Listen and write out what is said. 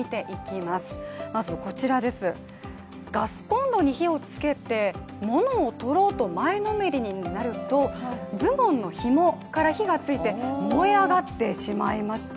まずこちらです、ガスコンロに火をつけてものを取ろうと前のめりになると、ズボンのひもから火がついて燃え上がってしまいました。